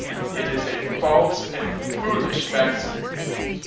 It is a false and foolish fancy.